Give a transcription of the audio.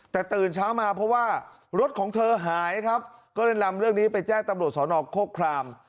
แต่ตื่นเช้ามาเพราะว่ารถของเธอหายครับก็เลยนำเรื่องนี้ไปแจ้งตำรวจสอนอกโคคราม